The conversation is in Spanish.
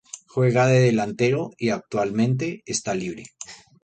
Juega de delantero y actualmente esta Libre.